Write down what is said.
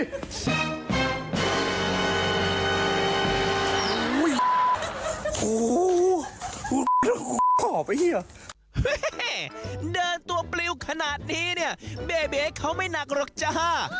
โอ้ยโอ้โหออกออกไปเนี่ยเฮ้เดินตัวปลิวขนาดนี้เนี่ยเบเบเขาไม่หนักหรอกจ๊ะ